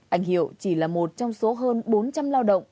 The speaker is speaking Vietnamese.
anh hiệu chỉ là một trong số hơn bốn trăm linh lao động